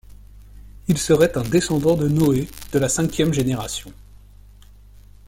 Il serait un descendant de Noé, de la cinquième génération.